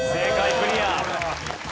クリア。